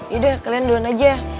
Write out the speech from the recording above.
yaudah kalian duluan aja